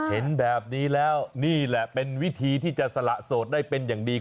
เห็นแบบนี้แล้วนี่แหละเป็นวิธีที่จะสละโสดได้เป็นอย่างดี